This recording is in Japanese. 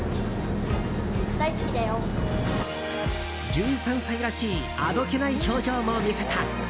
１３歳らしいあどけない表情も見せた。